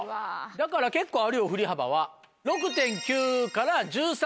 だから結構あるよ振り幅は。